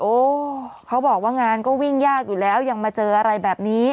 เขาบอกว่างานก็วิ่งยากอยู่แล้วยังมาเจออะไรแบบนี้